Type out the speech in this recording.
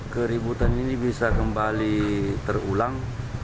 keributan ini bisa kembali terulang